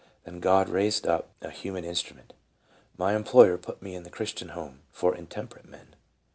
. thenGod raised up a human instrument. My employer put me in the Christian home [for intemperate men].